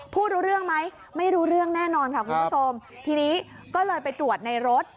รู้เรื่องไหมไม่รู้เรื่องแน่นอนค่ะคุณผู้ชมทีนี้ก็เลยไปตรวจในรถ